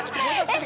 えっ？